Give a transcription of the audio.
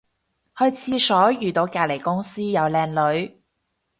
去廁所遇到隔離公司有靚女